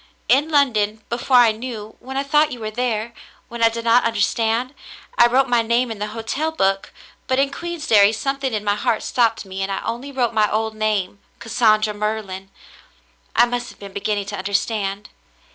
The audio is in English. In London, before I knew, when I thought you were there, when I did not understand, I wrote my name in the hotel book, but in Queensderry something in my heart stopped me and I only wrote my old name, Cassandra Merlin. I must have been beginning to understand."